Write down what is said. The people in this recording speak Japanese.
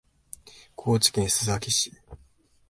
高知県須崎市